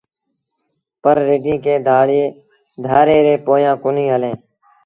پر رڍينٚ ڪݩهݩ ڌآريٚݩ ري پويآنٚ ڪونهي هلينٚ